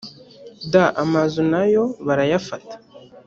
d amazu na yo barayafata